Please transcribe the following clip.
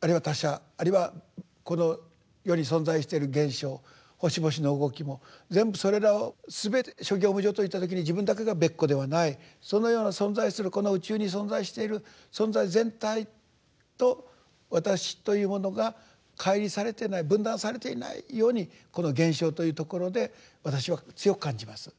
あるいは他者あるいはこの世に存在してる現象星々の動きも全部それらをすべて「諸行無常」といった時に自分だけが別個ではないそのような存在するこの宇宙に存在している存在全体と私というものが乖離されてない分断されていないようにこの「現象」というところで私は強く感じます。